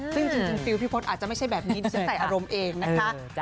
ซึ่งจริงฟิวปฏอาจจะไม่ใช่แบบนี้แต่อารมณ์เองนะคะ